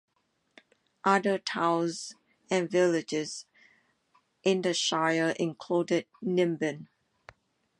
Other towns and villages in the shire included Nimbin.